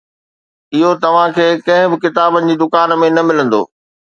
اهو توهان کي ڪنهن به ڪتابن جي دڪان ۾ نه ملندو.